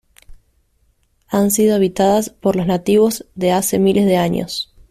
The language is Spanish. Han sido habitadas por los nativos de hace miles de años.